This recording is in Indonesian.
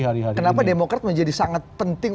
kenapa demokrat menjadi sangat penting